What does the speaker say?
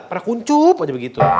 pada kuncup aja begitu